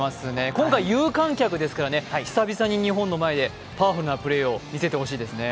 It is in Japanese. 今回有観客ですからね、久々に日本の前でパワフルなプレーを見せてほしいですね。